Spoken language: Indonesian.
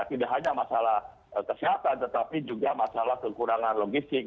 tidak hanya masalah kesehatan tetapi juga masalah kekurangan logistik